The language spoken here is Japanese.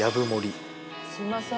すいません。